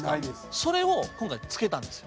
それを、今回つけたんですよ。